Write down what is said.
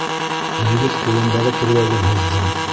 Егет ҡулындағы төргәген һуҙҙы.